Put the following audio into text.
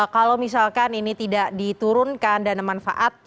kalau misalkan ini tidak diturunkan dana manfaat